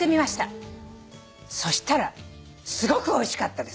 「そしたらすごくおいしかったです」